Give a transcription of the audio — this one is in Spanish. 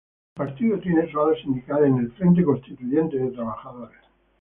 El partido tiene su ala sindical en el "Frente Constituyente de Trabajadores".